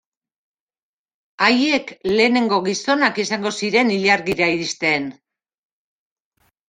Haiek lehenengo gizonak izango ziren ilargira iristen.